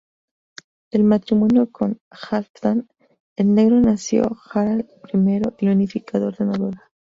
Del matrimonio con Halfdan el Negro nació Harald I, el unificador de Noruega.